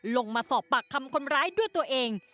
ลงมาสอบปากคำคนร้ายด้วยตัวเอง